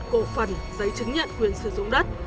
cổ phần giấy chứng nhận quyền sử dụng đất